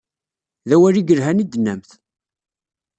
D awal i yelhan i d-tennamt.